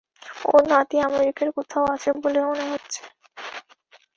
ওর নাতি আমেরিকার কোথাও আছে বলে মনে হচ্ছে।